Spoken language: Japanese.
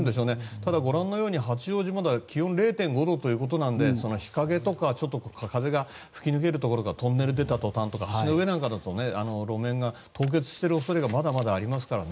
ただ、ご覧のように八王子はまだ気温０．５度ということなので日陰とか風が吹き抜けるところやトンネル出たとたんとか橋の上なんかだと路面が凍結している恐れがまだまだありますからね。